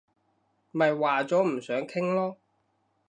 咪話咗唔想傾囉